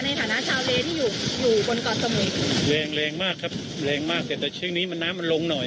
ในฐานะชาวเลที่อยู่อยู่บนเกาะสมุทรแรงแรงแรงมากครับแรงมากแต่แต่ช่วงนี้มันน้ำมันลงหน่อย